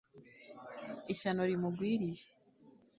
ishyano rimugwiriye